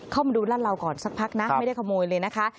เข้ามาดูรัดเราก่อนสักพักนะไม่ได้ขโมยเลยนะคะ